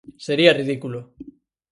Sería ridículo.